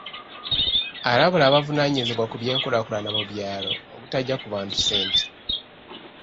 Alabula abavunaanyizibwa ku by'enkulaakulana mu byalo obutajja ku bantu ssente.